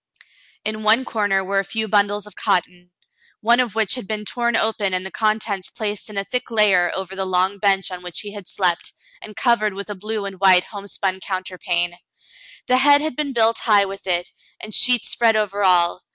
In one corner were a few bundles of cotton, one of which had been torn open and the contents placed in a thick layer over the long bench on which he had slept, and covered with a blue and white homespun counter pane. The head had been built high with it, and sheets spread over all.